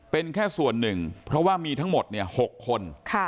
เป็นแค่ส่วนหนึ่งเพราะว่ามีทั้งหมด๖คน